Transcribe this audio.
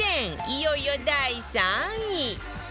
いよいよ第３位